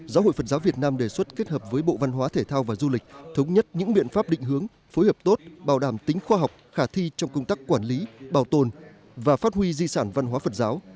giáo hội phật giáo việt nam đề xuất kết hợp với bộ văn hóa thể thao và du lịch thống nhất những biện pháp định hướng phối hợp tốt bảo đảm tính khoa học khả thi trong công tác quản lý bảo tồn và phát huy di sản văn hóa phật giáo